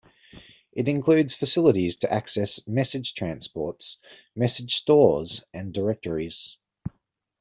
It includes facilities to access message transports, message stores, and directories.